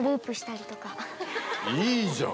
いいじゃん！